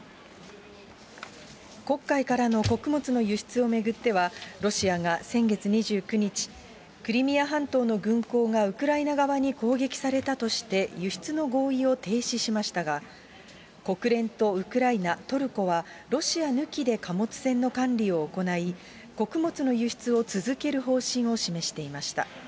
黒海からの穀物の輸出を巡っては、ロシアが先月２９日、クリミア半島の軍港がウクライナ側に攻撃されたとして、輸出の合意を停止しましたが、国連とウクライナ、トルコは、ロシア抜きで貨物船の管理を行い、穀物の輸出を続ける方針を示していました。